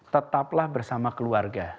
tetaplah bersama keluarga